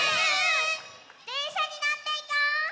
でんしゃにのっていこう！